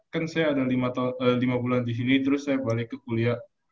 kan saya ada lima bulan di sini terus saya balik ke kuliah